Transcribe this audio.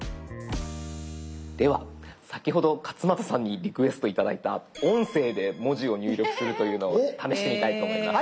では先ほど勝俣さんにリクエストを頂いた音声で文字を入力するというのを試してみたいと思います。